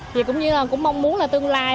thì cũng như là cũng mong muốn là tương lai